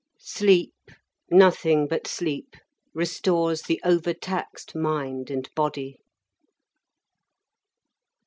Sleep, nothing but sleep, restores the overtaxed mind and body.